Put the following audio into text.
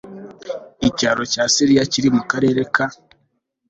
Le si ge social de CLA est tabli en Icyicaro cya CLA kiri mu Karere ka